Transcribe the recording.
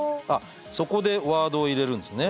そこでワードを入れるんですね。